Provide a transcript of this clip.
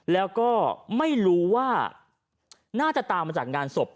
แล้วก็ไม่รู้ว่าน่าจะตามมาจากงานศพ